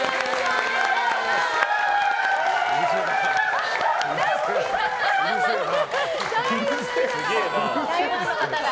ありがとうございます。